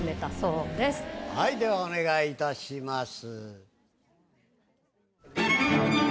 はいではお願いいたします。